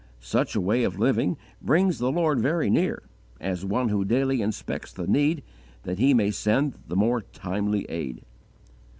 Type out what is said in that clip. Such a way of living brings the Lord very near, as one who daily inspects the need that He may send the more timely aid.